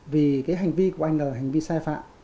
vì cái hành vi của anh là hành vi sai phạm